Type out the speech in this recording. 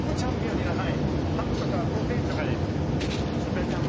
ハムとかソーセージとかで。